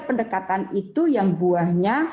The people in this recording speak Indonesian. pendekatan itu yang buahnya